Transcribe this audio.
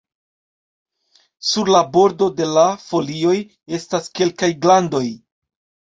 Sur la bordo de la folioj estas kelkaj glandoj.